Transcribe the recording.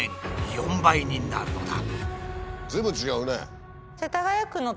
４倍になるのだ。